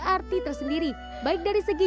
arti tersendiri baik dari segi